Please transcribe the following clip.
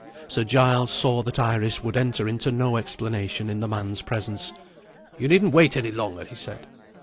Sir Giles saw that Iris would enter into no explanation in the man's presence. "You needn't wait any longer," he said.